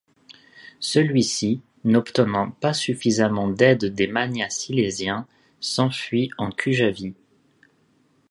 Celui-ci, n’obtenant pas suffisamment d’aide des magnats silésiens, s’enfuit en Cujavie.